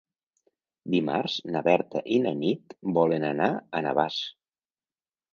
Dimarts na Berta i na Nit volen anar a Navàs.